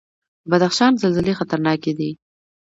د بدخشان زلزلې خطرناکې دي